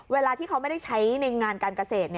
เวลาที่เขาไม่ได้ใช้ในงานการเกษตร